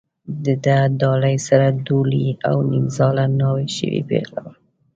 د ده ډالۍ سره ډولۍ او نیمزاله ناوې شوې پېغله وه.